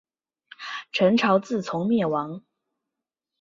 陈朝自从灭亡。